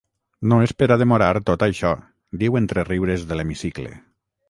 No és per a demorar tot això, diu entre riures de l’hemicicle.